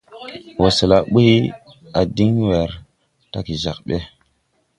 Wɔsɛla ɓuy a diŋ wɛr dage jag ɓɛ.